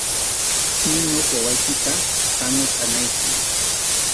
Ñuñuq wawaykita hanukʼanaykim.